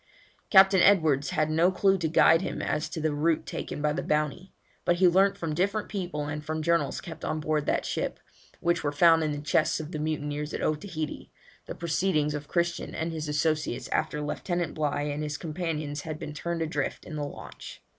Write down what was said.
Captain Edwards had no clue to guide him as to the route taken by the Bounty, but he learnt from different people and from journals kept on board that ship, which were found in the chests of the mutineers at Otaheite, the proceedings of Christian and his associates after Lieutenant Bligh and his companions had been turned adrift in the launch.